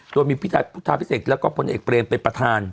โดยมีพุทธาพิเศษแล้วก็พลเอกเบรมเป็นประธาน